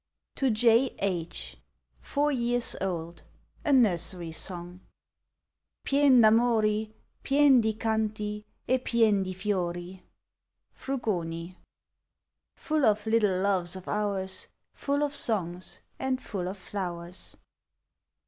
TO J. H. FOUB YEARS OLD: — A NURSERY SONG. ..." Pien d' anion, Pien di canti, e pien di flori."— FRUGONL Full of little loves of ours, Full of songs, and full of flowers.